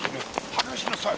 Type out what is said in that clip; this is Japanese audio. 離しなさい。